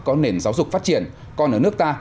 có nền giáo dục phát triển còn ở nước ta